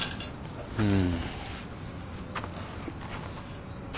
うん。